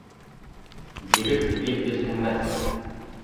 Бирек бил биртенмәҫ.